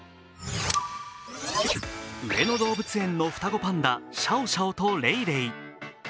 上野動物園の双子パンダシャオシャオとレイレイ。